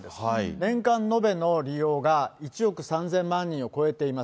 年間延べの利用が１億３０００万人を超えています。